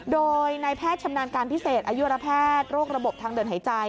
โดยนายแพทย์ชำนาญการพิเศษอายุรแพทย์โรคระบบทางเดินหายใจ